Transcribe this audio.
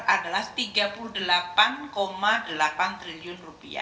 adalah rp tiga puluh delapan delapan triliun